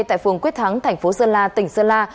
tại phường quyết thắng tp sơn la tỉnh sơn la